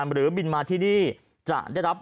บินมาที่นี่จะได้รับ